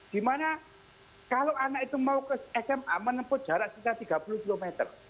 di mana kalau anak itu mau ke sma menempat jarak sekitar tiga puluh km